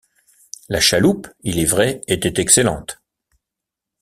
La chaloupe, il est vrai, était excellente.